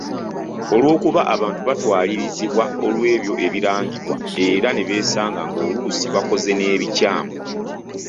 Olwokuba abantu batwalirizibwa olw'ebyo ebirangibwa era ne beesanga ng'oluusi bakoze n'ebikyamu.